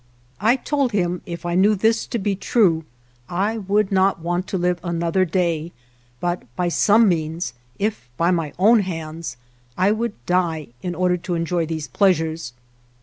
I told him if I knew this to be true I would not want to live another day, but by some means, if by my own hands, I would die in order to enjoy these pleasures.